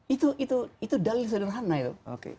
itu itu itu dalil sederhana itu